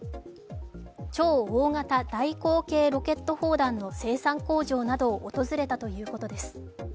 超大型大口径ロケット砲弾の生産工場などを訪れたということです。